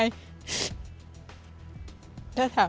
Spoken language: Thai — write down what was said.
แม่หนูขอโทษนะ